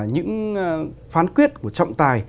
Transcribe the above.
những phán quyết của trọng tài